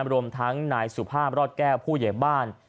รวมทั้งนายสุภาพรอดแก้วผู้ใหญ่บ้าน